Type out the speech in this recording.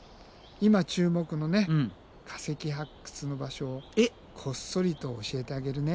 今注目のね化石発掘の場所をこっそりと教えてあげるね。